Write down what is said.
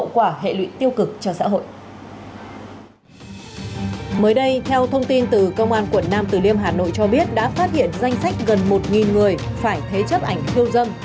câu thông tin từ công an quận nam tử liêm hà nội cho biết đã phát hiện danh sách gần một người phải thế chấp ảnh thiêu dâm